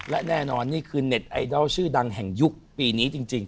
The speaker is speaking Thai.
และแน่นอนนี่คือเน็ตไอดอลชื่อดังแห่งยุคปีนี้จริง